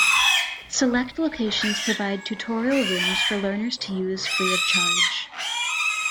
Select locations provide tutorial rooms for learners to use free of charge.